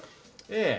ええ。